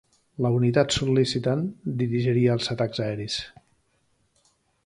La unitat sol·licitant dirigiria els atacs aeris.